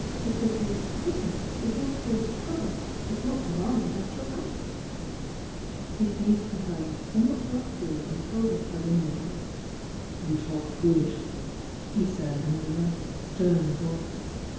Because the 'prettiness' is your forced prod uct. It's not my natural output." He seized her hand somewhat roughly and held it as in a vice. "You talk foolishly!" he said, in a low, stem voice.